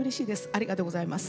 ありがとうございます。